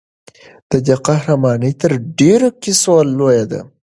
د دې قهرماني تر ډېرو کیسو لویه ده.